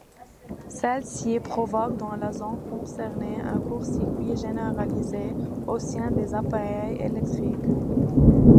Celle-ci provoque, dans la zone concernée un court-circuit généralisé au sein des appareils électriques.